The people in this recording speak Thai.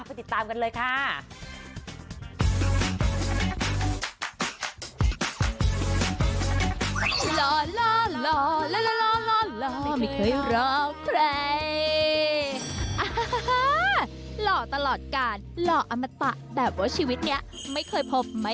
ติดตามกันเลยค่ะ